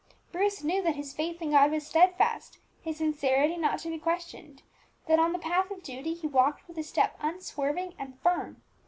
Bruce knew that his faith in God was steadfast, his sincerity not to be questioned, that on the path of duty he walked with a step unswerving and firm.